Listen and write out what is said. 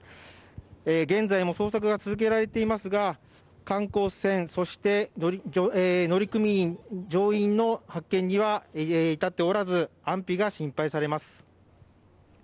現在も捜索が続けられていますが、観光船、そして乗組員、乗員の発見には至っておらず安否が心配されます。